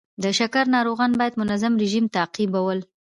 د شکر ناروغان باید منظم رژیم تعقیبول.